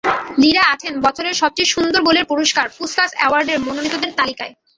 লিরা আছেন বছরের সবচেয়ে সুন্দর গোলের পুরস্কার পুসকাস অ্যাওয়ার্ডের মনোনীতদের তালিকায়।